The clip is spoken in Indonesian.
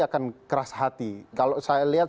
akan keras hati kalau saya lihat